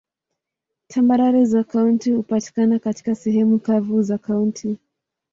Tambarare za kaunti hupatikana katika sehemu kavu za kaunti.